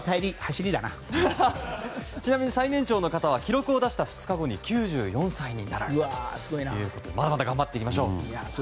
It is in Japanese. ちなみに最年長の方は記録を出した２日後に９４歳になられたということでまだまだ頑張っていきましょう。